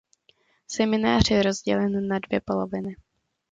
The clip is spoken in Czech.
Seminář je rozdělen na dvě poloviny.